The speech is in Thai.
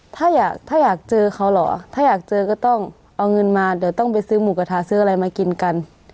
ถ้าอยากเขาเหรอถ้าอยากเจอก็ต้องเอาเงินมาแต่ต้องไปซื้อหมูกระทะซื้ออะไรมากินกัน